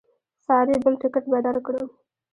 ساري بل ټکټ به درکړم.